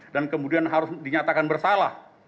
dan kemudian harus dinyatakan bersalah